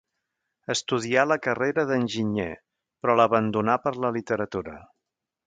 Estudià la carrera d'enginyer, però l'abandonà per la literatura.